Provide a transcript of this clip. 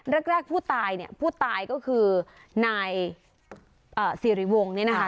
แรกแรกผู้ตายเนี่ยผู้ตายก็คือนายอ่าสี่รีวงเนี่ยนะคะ